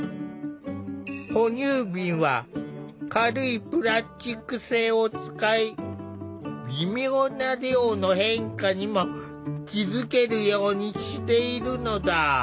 哺乳瓶は軽いプラスチック製を使い微妙な量の変化にも気付けるようにしているのだ。